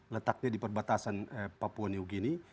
letaknya di perbatasan papua neogini